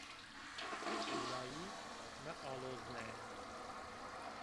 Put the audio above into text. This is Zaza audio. Layî mealozne!